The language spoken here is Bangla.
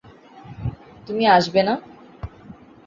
তুমি আসবে না?